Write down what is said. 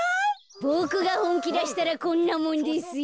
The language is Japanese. ボクがほんきだしたらこんなもんですよ。